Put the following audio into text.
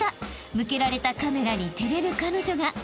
向けられたカメラに照れる彼女が］